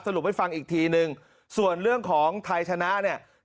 รุปให้ฟังอีกทีนึงส่วนเรื่องของไทยชนะเนี่ย